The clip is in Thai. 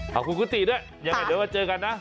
ขอขอคุณคุณติด้วยเดี๋ยวเจอกันนะ